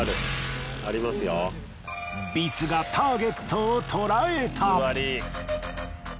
ビスがターゲットをとらえた。